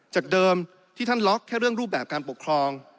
จากเดิมที่ท่านล็อกแค่เรื่องรูปแบบการปกครอง